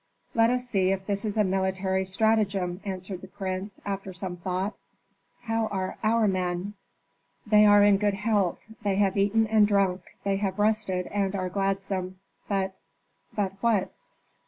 "Let us see if this is a military stratagem," answered the prince, after some thought. "How are our men?" "They are in good health, they have eaten and drunk, they have rested and are gladsome. But " "But what?"